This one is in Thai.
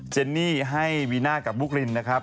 เจนนี่ให้วีน่ากับบุ๊กลินนะครับ